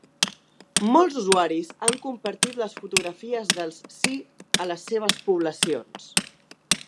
Molts usuaris han compartit les fotografies dels Sí a les seves poblacions.